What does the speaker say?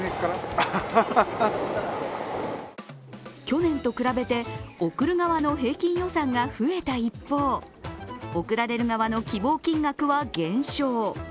去年と比べて贈る側の平均予算が増えた一方、贈られる側の希望金額は減少。